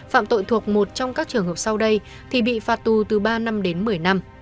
phạm tội thuộc một trong các trường hợp sau đây thì bị phạt tù từ ba năm đến một mươi năm